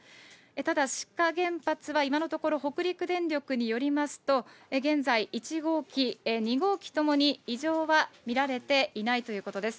ただ、志賀原発は今のところ、北陸電力によりますと、現在、１号機、２号機ともに異常は見られていないということです。